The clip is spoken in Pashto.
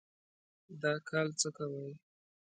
دا کال څه کوئ؟